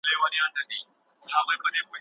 لوستی سړی د ټولني ډیوه ده.